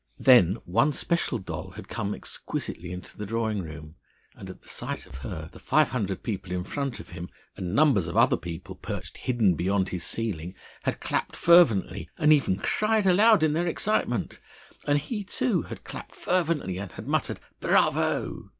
Then one special doll had come exquisitely into the drawing room, and at the sight of her the five hundred people in front of him, and numbers of other people perched hidden beyond his ceiling, had clapped fervently and even cried aloud in their excitement. And he, too, had clapped fervently, and had muttered "Bravo!"